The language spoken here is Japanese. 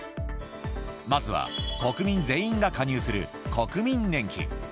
まずは国民全員が加入する国民年金。